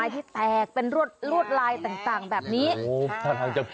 แต่สุดท้ายนะฮะ